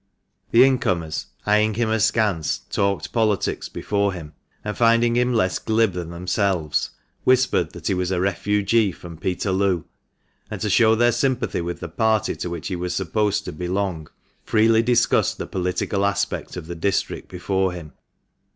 The incomers, eyeing him askance, talked politics before him, and finding him less glib than themselves, whispered that he was a refugee from Peterloo, and, to show their sympathy with the party to which he was supposed to belong, freely discussed the political aspect of the district before him.